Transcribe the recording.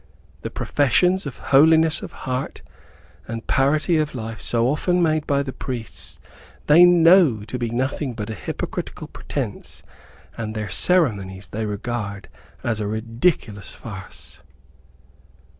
The professions of holiness of heart and parity of life so often made by the priests they KNOW to be nothing but a hypocritical pretence, and their ceremonies they regard as a ridiculous farce.